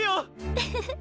ウフフフ。